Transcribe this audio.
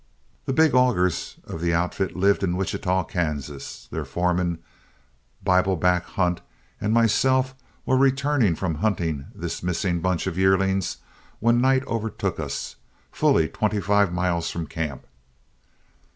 "The big augers of the outfit lived in Wichita, Kansas. Their foreman, Bibleback Hunt, and myself were returning from hunting this missing bunch of yearlings when night overtook us, fully twenty five miles from camp.